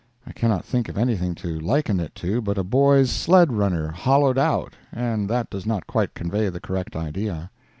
I cannot think of anything to liken it to but a boy's sled runner hollowed out, and that does not quite convey the correct idea.